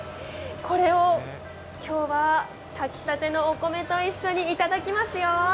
これを今日は炊きたてのお米と一緒にいただきますよ。